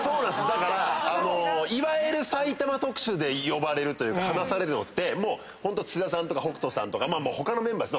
だからいわゆる埼玉特集で呼ばれるというか話されるのって土田さんとか北斗さんとか他のメンバー。